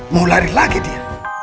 mau lari lagi dia